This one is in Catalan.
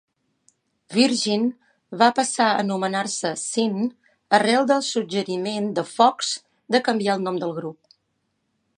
Virgin va passar a anomenar-se Sin arrel del suggeriment de Fox de canviar el nom del grup.